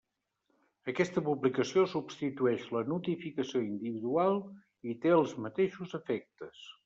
Aquesta publicació substitueix la notificació individual i té els mateixos efectes.